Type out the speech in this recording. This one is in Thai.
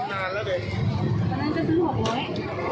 นานแล้วเป็น